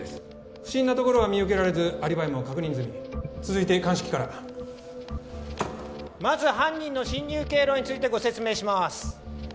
不審なところは見受けられずアリバイも確認済み続いて鑑識からまず犯人の侵入経路についてご説明しまーす